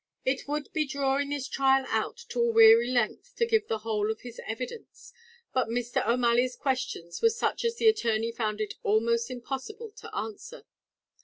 It would be drawing this trial out to a weary length to give the whole of his evidence; but Mr. O'Malley's questions were such as the attorney found it almost impossible to answer.